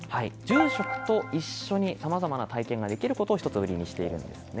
住職と一緒にさまざまな体験ができることを売りにしているんです。